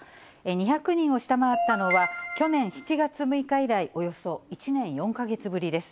２００人を下回ったのは、去年７月６日以来、およそ１年４か月ぶりです。